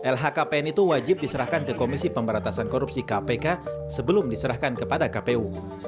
lhkpn itu wajib diserahkan ke komisi pemberantasan korupsi kpk sebelum diserahkan kepada kpu